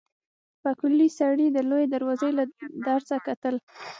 پکولي سړي د لويې دروازې له درزه کتل.